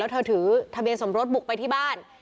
เธอถือทะเบียนสมรสบุกไปที่บ้าน